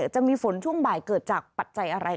จะมีฝนช่วงบ่ายเกิดจากปัจจัยอะไร